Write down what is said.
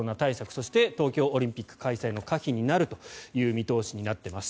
そして、東京オリンピック開催の可否になるという見通しになっています。